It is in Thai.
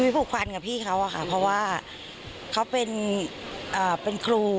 ผูกพันกับพี่เขาอะค่ะเพราะว่าเขาเป็นครู